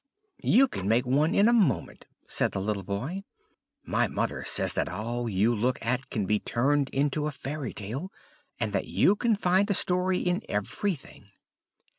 "You can make one in a moment," said the little boy. "My mother says that all you look at can be turned into a fairy tale: and that you can find a story in everything."